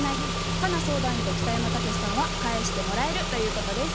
佳奈相談員と北山たけしさんは「返してもらえる」ということです。